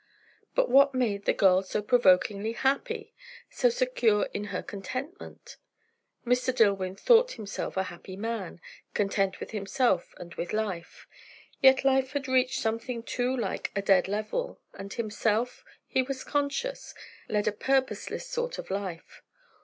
But what made the girl so provokingly happy? so secure in her contentment? Mr. Dillwyn thought himself a happy man; content with himself and with life; yet life had reached something too like a dead level, and himself, he was conscious, led a purposeless sort of existence.